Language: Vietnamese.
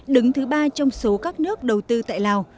đứng thứ ba trong số các nước đầu tư tại lào